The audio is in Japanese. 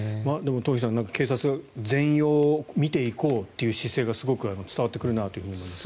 東輝さん、警察が全容を見ていこうという姿勢がすごく伝わってくるなと思います。